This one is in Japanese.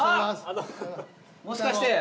もしかして。